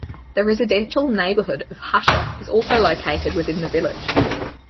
The residential neighborhood of Husher is also located within the village.